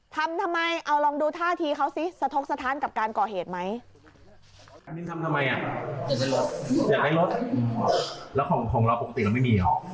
ทำทำไมเอาลองดูท่าทีเขาสิสะทกสะท้านกับการก่อเหตุไหม